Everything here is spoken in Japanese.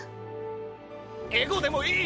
エゴでもいい！